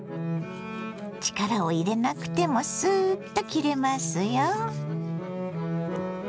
力を入れなくてもスーッと切れますよ。